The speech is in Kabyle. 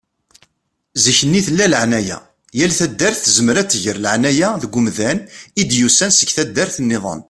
Zikk-nni tella laεnaya. Yal taddart tezmer ad tger laεnaya deg umdan i d-yusan seg taddart-nniḍen.